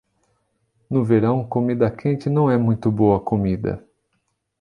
No verão, comida quente não é muito boa comida.